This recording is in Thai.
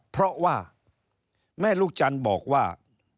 เพราะว่าแม่ลูกจันทร์บอกว่า